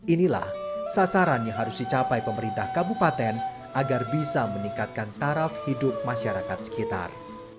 inilah sasaran yang harus dicapai pemerintah kabupaten agar bisa meningkatkan taraf hidup masyarakat sekitar